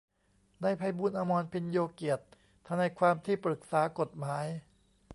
นายไพบูลย์ อมรภิญโญเกียรติ ทนายความที่ปรึกษากฏหมาย